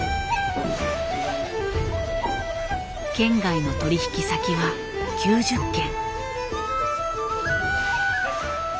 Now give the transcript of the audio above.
県外の取引先は９０件。